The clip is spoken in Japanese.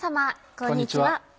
こんにちは。